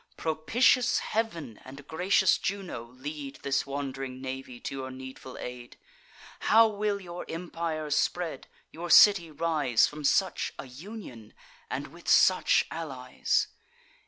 Propitious Heav'n, and gracious Juno, lead This wand'ring navy to your needful aid: How will your empire spread, your city rise, From such a union, and with such allies?